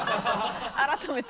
改めて。